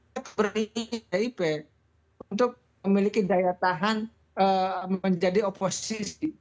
kita beri pdip untuk memiliki daya tahan menjadi oposisi